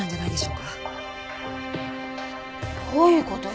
どういう事よ？